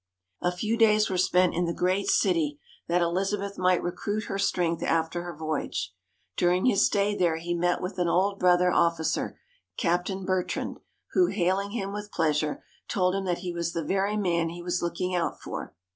A few days were spent in the great city, that Elizabeth might recruit her strength after her voyage. During his stay there, he met with an old brother officer, Captain Bertrand, who, hailing him with pleasure, told him that he was the very man he was looking out for.